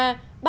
trong năm qua